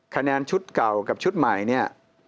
คะแนนชุดเก่ากับชุดใหม่